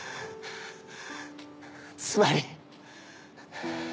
つまり。